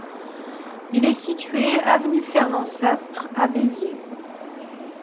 Il est situé avenue Fernand Sastre à Béziers.